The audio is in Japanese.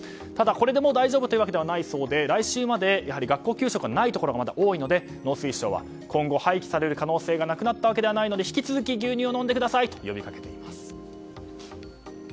ただ、これでもう大丈夫というわけではなくて来週まで学校給食がないところも多いので農水省は今後廃棄される可能性がなくなったわけではないので引き続き牛乳を飲んでくださいと呼びかけています。